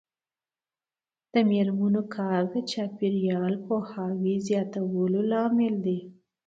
د میرمنو کار د چاپیریال پوهاوي زیاتولو لامل دی.